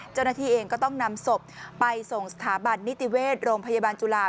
เจ้าหน้าที่เองก็ต้องนำศพไปส่งสถาบันนิติเวชโรงพยาบาลจุฬา